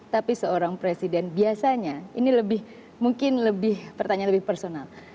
tapi seorang presiden biasanya ini mungkin pertanyaan lebih personal